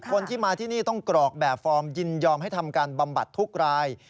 คนที่มาที่นี่ต้องกรอกแบบฟอร์มยินยอมให้ทำการบำบัดทุกราย